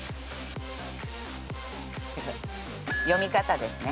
読み方ですね。